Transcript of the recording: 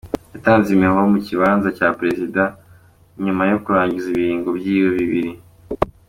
Yatanze imihoho mu kibanza ca prezida inyuma yo kurangiza ibiringo vyiwe bibiri.